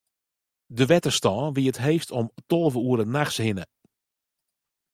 De wetterstân wie it heechst om tolve oere nachts hinne.